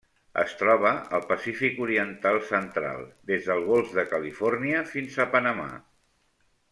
Es troba al Pacífic oriental central: des del Golf de Califòrnia fins a Panamà.